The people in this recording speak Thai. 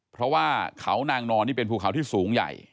เพราะว่าเขานางนอนนี่เป็นภูเขาที่สูงใหญ่